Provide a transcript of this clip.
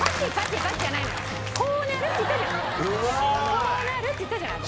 こうなるって言ったじゃん私。